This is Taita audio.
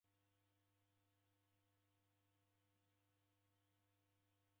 Ojoka m'di nwao ukabuduka.